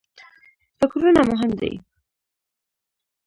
فکرونه مهم دي.